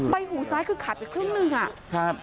ใบหูซ้ายคือขาดไปครึ่งนึงอะ